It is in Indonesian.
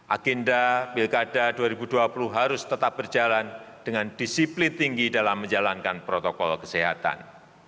agenda pilkada dua ribu dua puluh harus tetap berjalan dengan disiplin tinggi dalam menjalankan protokol kesehatan